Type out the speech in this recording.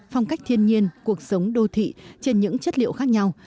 phong cách thiên nhiên cuộc sống đô thị trên những chất liệu khác nhau